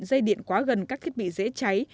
dây điện quá gần các thiết bị dễ cháy